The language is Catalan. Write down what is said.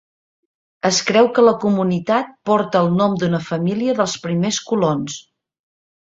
Es creu que la comunitat porta el nom d'una família dels primers colons.